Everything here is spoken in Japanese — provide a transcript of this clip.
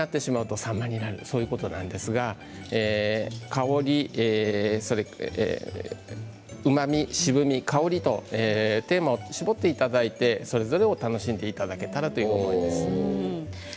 盛りだくさんになってしまうと散漫になるということなんですがうまみ、渋み、香りのテーマを絞っていただいてそれぞれを楽しんでいただけたらと思います。